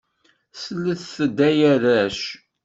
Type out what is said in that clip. Slet-d ay arrac!